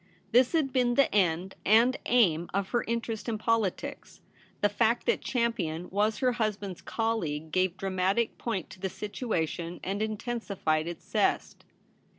This had been the end and aim of her interest in politics. The fact that Champion was her husband's colleague gave dramatic point to the situation and intensified its zest.